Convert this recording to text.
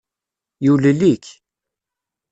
Yulel-ik.